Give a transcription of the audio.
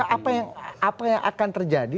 apa yang akan terjadi